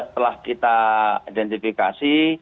setelah kita identifikasi